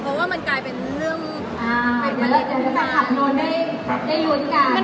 เพราะว่ามันกลายเป็นเรื่องเป็นบรรยากาศทุกท่าน